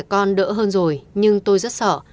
con đỡ hơn rồi nhưng tôi rất sợ